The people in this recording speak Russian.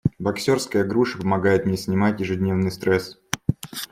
Боксёрская груша помогает мне снимать ежедневный стресс.